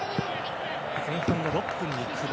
前半の６分に久保。